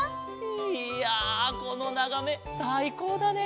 いやこのながめさいこうだね！